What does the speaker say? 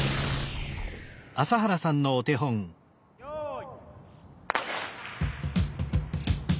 ・よい。